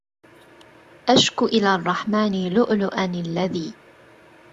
أشكو إلى الرحمن لؤلؤا الذي